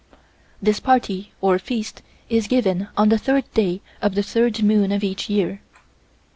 This party or feast is given on the third day of the third moon of each year.